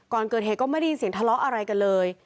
ก่อนเกิดเหตุก็ไม่ได้ยินเสียงทะเลาะอะไรกันเลย